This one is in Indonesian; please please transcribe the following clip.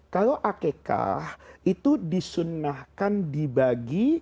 kalau akekah itu disunnahkan dibagi